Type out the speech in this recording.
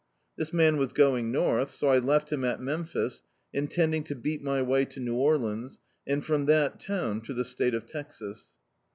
This man was going north, so I left him at Mem phis, intending to beat my way to New Orleans, and from that town to the state of Texas.